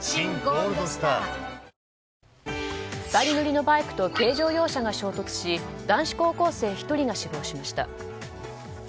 ２人乗りのバイクと軽乗用車が衝突し男子高校生１人が死亡しました。